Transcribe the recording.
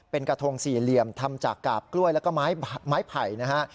เป็นกระทงสี่เหลี่ยมทำจากกาบกล้วยแล้วก็ไม้ไผ่นะฮะ